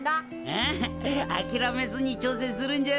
あああきらめずにちょうせんするんじゃぞ。